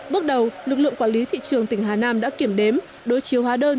bước đầu lực lượng quản lý thị trường tỉnh hà nam đã kiểm đếm đối chiếu hóa đơn